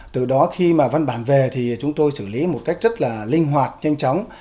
từ đó khi mà văn bản về thì chúng tôi xử lý một cách rất là linh hoạt nhanh chóng